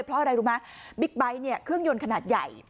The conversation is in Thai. เพราะอะไรรู้ไหมบิ๊กไบท์เนี่ยเครื่องยนต์ขนาดใหญ่